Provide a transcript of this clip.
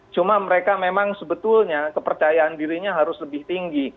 cuma mereka memang sebetulnya kepercayaan dirinya harus lebih tinggi